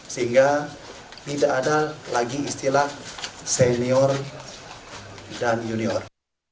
sehingga tidak ada lagi istilah senior dan junior